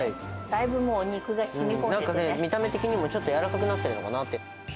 だいぶもう、なんかね、見た目的にも、ちょっと柔らかくなってるのかなって。